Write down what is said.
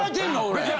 俺。